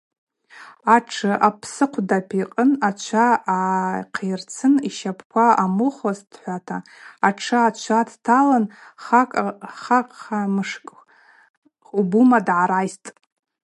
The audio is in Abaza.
Атшы апсыхъвда пикъытӏ, ачва гӏахъйырцын йщапӏква амуыхуазтӏхӏвата, атшы ачва дталын хахъа-хымшкӏ, убума, дгӏарайстӏ.